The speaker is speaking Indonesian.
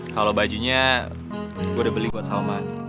kalau bajunya gue udah beli buat salman